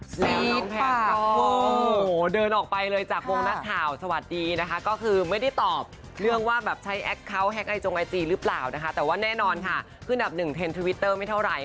ซีภาพโว้วเดินออกไปเลยจากโวงหน้าข่าวสวัสดีนะคะก็คือไม่ได้ตอบเรื่องว่าใช้แอพเคาน์หักไอนท์โจงไอจีหรือเปล่านะคะ